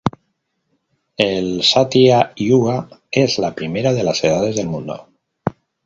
El satia-iuga es la primera de las edades del mundo.